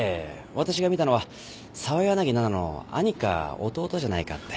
私が見たのは澤柳菜々の兄か弟じゃないかって。